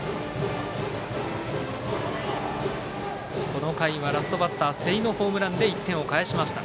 この回はラストバッター瀬井のホームランで１点を返しました。